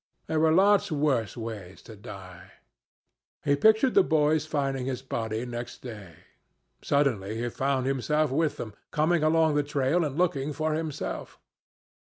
There were lots worse ways to die. He pictured the boys finding his body next day. Suddenly he found himself with them, coming along the trail and looking for himself.